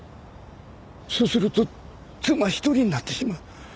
そうすると妻一人になってしまう。